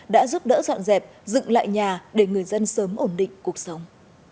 đã giúp đỡ dọn dẹp dựng lại nhà để người dân sớm ổn định cuộc sống